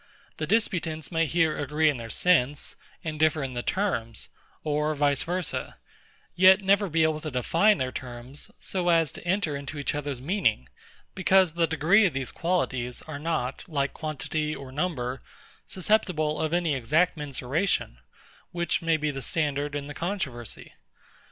The disputants may here agree in their sense, and differ in the terms, or vice versa; yet never be able to define their terms, so as to enter into each other's meaning: Because the degrees of these qualities are not, like quantity or number, susceptible of any exact mensuration, which may be the standard in the controversy.